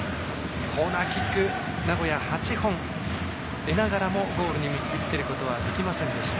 コーナーキック名古屋８本、得ながらもゴールに結び付けることはできませんでした。